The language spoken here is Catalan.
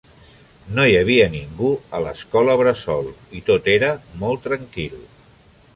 No hi havia ningú a l'escola bressol i tot era molt tranquil.